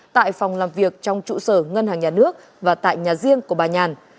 tại phòng làm việc trong trụ sở ngân hàng nhà nước và tại nhà riêng của bà nhàn